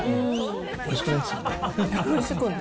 おいしくないですよね。